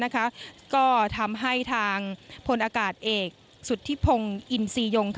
ก็ทำให้ทางพลอากาศเอกสุธิพงศ์อินซียง